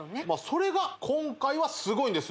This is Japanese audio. それが今回はすごいんです